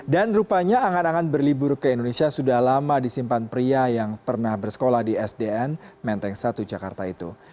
dan rupanya angan angan berlibur ke indonesia sudah lama disimpan pria yang pernah bersekolah di sdn menteng satu jakarta itu